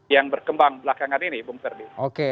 yang berkembang belakangan ini